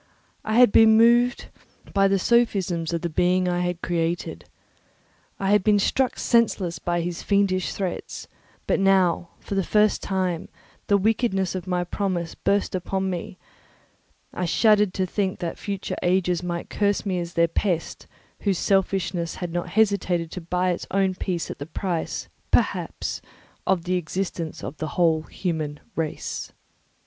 I had before been moved by the sophisms of the being I had created; I had been struck senseless by his fiendish threats; but now, for the first time, the wickedness of my promise burst upon me; I shuddered to think that future ages might curse me as their pest, whose selfishness had not hesitated to buy its own peace at the price, perhaps, of the existence of the whole human race.